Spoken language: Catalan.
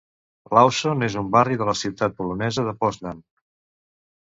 Leussow és un barri de la ciutat polonesa de Poznan.